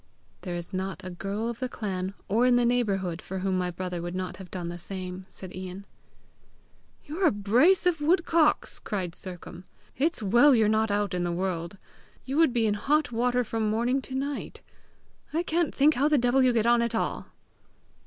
"There is not a girl of the clan, or in the neighbourhood, for whom my brother would not have done the same." said Ian. "You're a brace of woodcocks!" cried Sercombe. "It's well you're not out in the world. You would be in hot water from morning to night! I can't think how the devil you get on at all!"